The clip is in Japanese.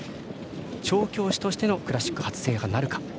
調教師としてのクラシック初制覇なるか。